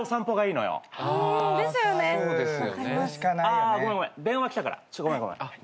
あごめんごめん電話来たからごめんごめん。